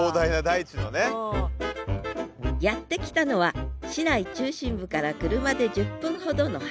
やって来たのは市内中心部から車で１０分ほどの畑。